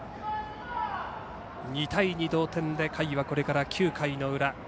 ２対２の同点で回はこれから９回の裏。